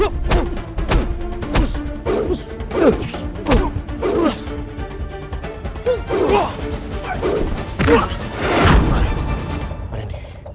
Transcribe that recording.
pak pak rendy